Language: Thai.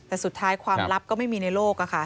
แต่สุดท้ายความลับก็ไม่มีในโลก